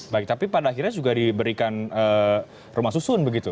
baik tapi pada akhirnya juga diberikan rumah susun begitu